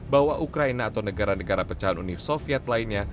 bahwa ukraina atau negara negara pecahan uni soviet lainnya